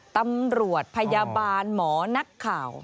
ตำรวจพยาบาลหมอนักข่าว